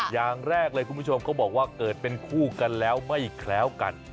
อย่างแรกเลยคุณผู้ชมเขาบอกว่าเกิดเป็นคู่กันแล้วไม่แคล้วกัน